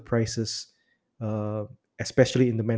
perusahaan kecil dan sedekah